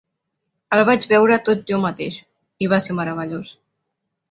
El vaig veure tot jo mateix, i va ser meravellós.